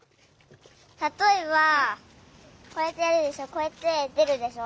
たとえばこうやってやるでしょこうやってでるでしょ？